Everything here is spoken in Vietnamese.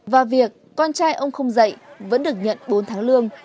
và việc con trai ông không dạy vẫn được nhận bốn tháng lương